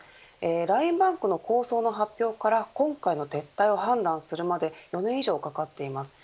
ＬＩＮＥＢａｎｋの構想の発表から今回の撤退を判断するまで４年以上かかっています。